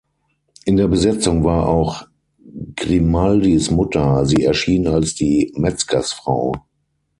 In der Besetzung war auch Grimaldis Mutter. Sie erschien als die Metzgersfrau.